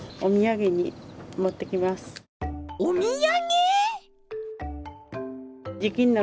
お土産？